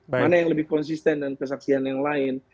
mana yang lebih konsisten dan kesaksian yang lain